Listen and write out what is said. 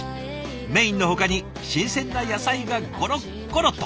メインのほかに新鮮な野菜がゴロッゴロと。